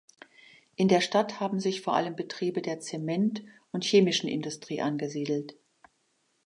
In der Stadt haben sich vor allem Betriebe der Zement- und chemischen Industrie angesiedelt.